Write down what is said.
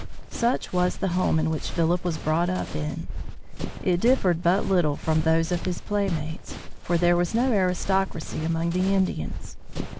Such was the home in which Philip was brought up. It differed but little from those of his playmates, for there was no aristocracy among the Indians.